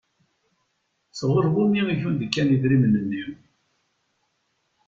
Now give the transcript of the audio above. Sɣur wumi i kent-d-kan idrimen-nni?